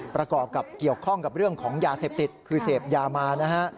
ประกอบกับเกี่ยวข้องกับเรื่องของยาเสพติดคือเสพยามานะฮะ